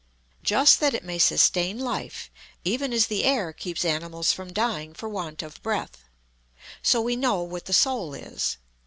Just that it may sustain life, even as the air keeps animals from dying for want of breath. So we know what the soul is.